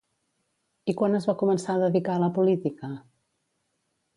I quan es va començar a dedicar a la política?